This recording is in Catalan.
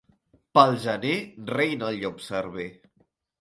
Pel gener reina el llop cerver.